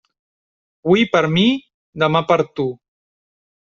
Hui per mi, demà per tu.